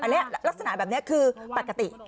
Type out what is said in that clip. ลักษณะแบบนี้คือปกติ